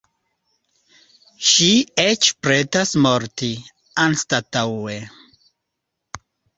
Ŝi eĉ pretas morti, anstataŭe.